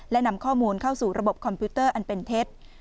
และนำข้อมูลเข้าสู่ระบบคอมพิวเตอร์อันเป็นเท็จ